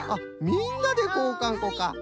みんなでこうかんこか。